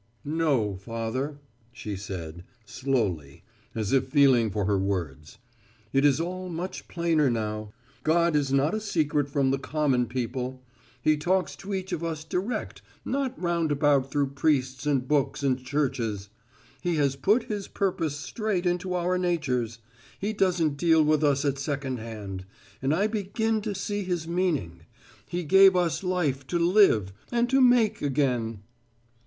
"No, Father," she said, slowly as if feeling for her words. "It is all much plainer now. God is not a secret from the common people. He talks to each of us direct, not roundabout through priests and books and churches. He has put His purpose straight into our natures. He doesn't deal with us at second hand. And I begin to see His meaning He gave us life to live and to make again."